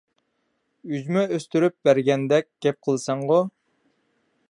ئۈجمە ئۈستۈرۈپ بەرگەندەك گەپ قىلىسەنغۇ؟ !